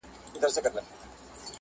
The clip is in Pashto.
د هغه ورځي څه مي.